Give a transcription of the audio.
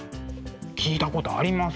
聞いたことあります。